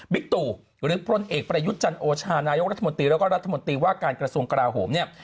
ตู่หรือพลเอกประยุทธ์จันโอชานายกรัฐมนตรีแล้วก็รัฐมนตรีว่าการกระทรวงกราโหมเนี่ย